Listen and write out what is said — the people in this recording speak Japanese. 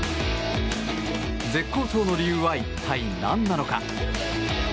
絶好調の理由は一体何なのか。